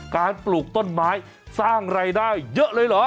ปลูกต้นไม้สร้างรายได้เยอะเลยเหรอ